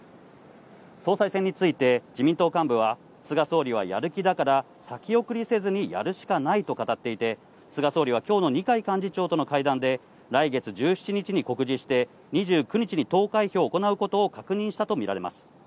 総裁選について自民党幹部は菅総理はやる気だから先送りせずにやるしかないと語っていて、菅総理は今日の二階幹事長との会談で来月１７日に告示して２９日に投開票を行うことを確認したとみられます。